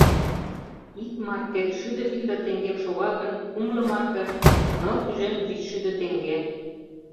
— Ик марке шӱдӧ витле теҥгем шога гын, кумло марке — ныл тӱжем вичшӱдӧ теҥге.